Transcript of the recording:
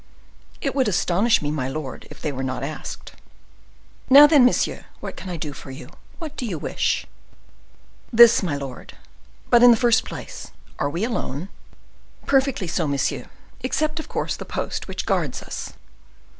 "It would astonish me, my lord, if they were not asked." "Now, then, monsieur, what can I do to serve you? What do you wish?" "This, my lord;—but, in the first place, are we alone?" "Perfectly so, monsieur, except, of course, the post which guards us."